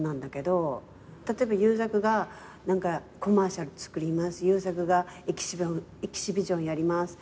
例えば優作がコマーシャル作ります優作がエキシビションやります